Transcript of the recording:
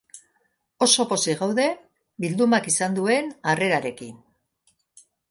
Oso pozik gaude bildumak izan duen harrerarekin.